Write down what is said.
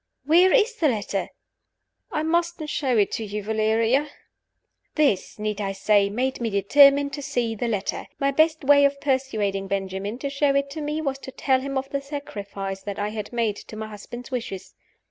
"Where is the letter?" "I mustn't show it to you, Valeria." This (need I say it?) made me determined to see the letter. My best way of persuading Benjamin to show it to me was to tell him of the sacrifice that I had made to my husband's wishes.